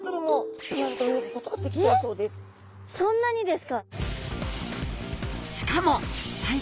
そんなにですか！